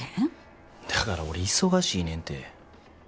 だから俺忙しいねんて。